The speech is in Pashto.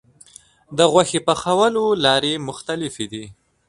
د غوښې پخولو لارې مختلفې دي.